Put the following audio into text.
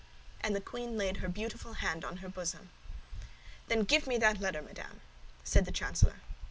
And the queen laid her beautiful hand on her bosom. "Then give me that letter, madame," said the chancellor.